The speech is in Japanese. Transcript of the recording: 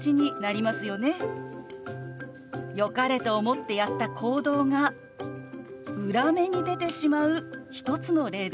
よかれと思ってやった行動が裏目に出てしまう一つの例です。